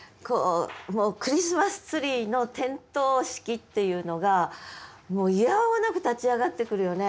クリスマスツリーの点灯式っていうのがいやおうなく立ち上がってくるよね。